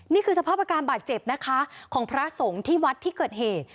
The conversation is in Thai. นี่คือสภาพอาการบาดเจ็บนะคะของพระสงฆ์ที่วัดที่เกิดเหตุ